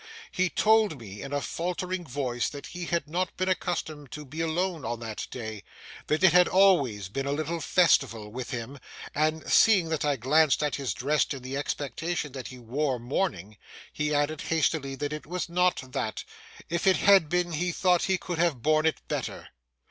He told me in a faltering voice that he had not been accustomed to be alone on that day—that it had always been a little festival with him; and seeing that I glanced at his dress in the expectation that he wore mourning, he added hastily that it was not that; if it had been he thought he could have borne it better.